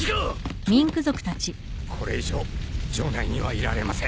これ以上城内にはいられません。